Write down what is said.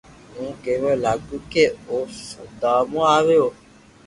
ھون ڪيوا لاگيو ڪو او سودام آويو